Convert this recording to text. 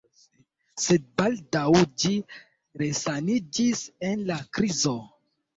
Sed baldaŭ ĝi resaniĝis el la krizo.